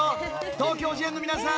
東京事変の皆さん